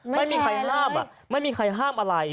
ไม่มีใครห้ามไม่มีใครห้ามอะไร